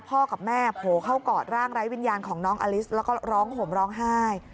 กับแม่โผล่เข้ากอดร่างไร้วิญญาณของน้องอลิสแล้วก็ร้องห่มร้องไห้